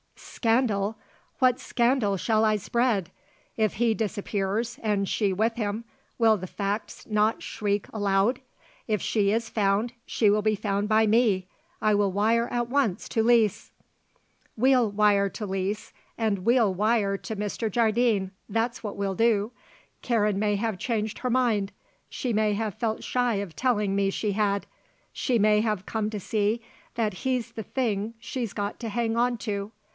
"Scandal! What scandal shall I spread? If he disappears and she with him, will the facts not shriek aloud? If she is found she will be found by me. I will wire at once to Lise." "We'll wire to Lise and we'll wire to Mr. Jardine, that's what we'll do. Karen may have changed her mind. She may have felt shy of telling me she had. She may have come to see that he's the thing she's got to hang on to.